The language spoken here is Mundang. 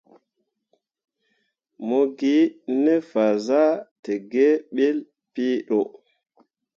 Mo gine fazahtǝgǝǝ ɓelle piro.